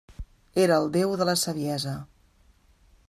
Era el déu de la saviesa.